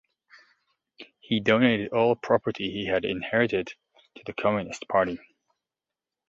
He donated all property he had inherited to the Communist Party.